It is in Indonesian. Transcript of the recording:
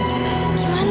tuh kenapa itu